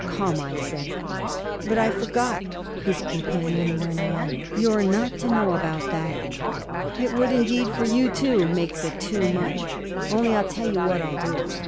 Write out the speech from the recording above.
Come, I say!' 'But I forgot,' his companion went on 'you're not to know about that. It would indeed for you too make the too much. Only I'll tell you what I'll do.'